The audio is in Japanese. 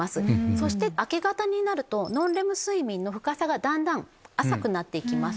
そして明け方になるとノンレム睡眠の深さがだんだん浅くなっていきます。